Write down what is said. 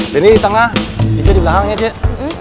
denny di tengah ijo di belakang ya cik